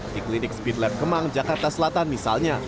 di klinik speed lab kemang jakarta selatan misalnya